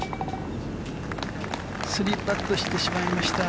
３パットしてしまいました。